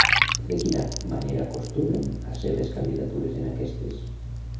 De quina manera acostumen a ser les candidatures en aquestes?